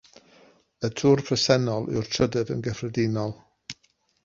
Y twr presennol yw'r trydydd yn gyffredinol.